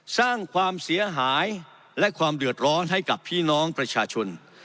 สร้างความเสียหายและความเดือดร้อนให้กับพี่น้องประชาชน